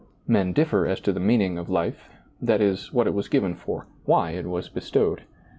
Men differ as to the meaning of life — that is, what it was given for, why it was bestowed.